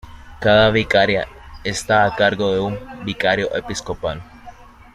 Cada vicaría, está a cargo de un "vicario episcopal".